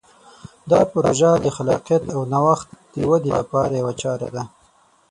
دا پروژه د خلاقیت او نوښت د ودې لپاره یوه چاره ده.